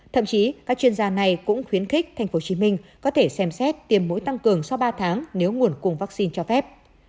thậm chí các chuyên gia này cũng khuyến khích tp hcm có thể xem xét tiềm mũi tăng cường sau ba tháng nếu nguồn cung vaccine cho phép